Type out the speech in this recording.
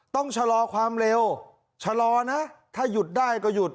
ต้องชะลอความเร็วชะลอนะถ้าหยุดได้ก็หยุด